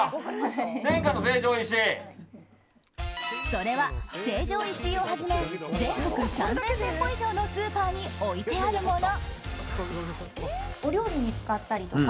それは成城石井をはじめ全国３０００店舗以上のスーパーに置いてあるもの。